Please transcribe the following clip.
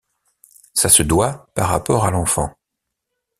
Ça se doit, par rapport à l’enfant.